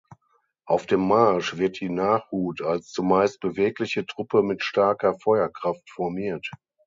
Auf dem Marsch wird die Nachhut als zumeist bewegliche Truppe mit starker Feuerkraft formiert.